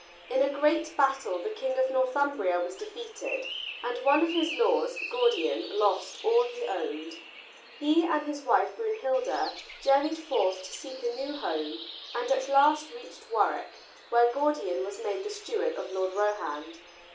In a great battle the King of Northumbria was defeated and one of his lords, Gordian, lost all he owned. He and his wife Brunhilda journeyed forth to seek a new home and at last reached Warwick, where Gordian was made the steward of Lord Rohand.